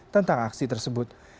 tentang aksi tersebut